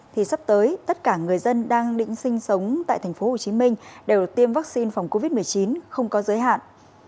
thì sắp tới tất cả người dân đang định sinh sống tại tp hcm đều được tiêm vaccine phòng covid một mươi chín không có giới hạn